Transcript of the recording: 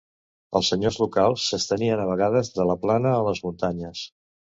Els senyors locals s'estenien a vegades de la plana a les muntanyes.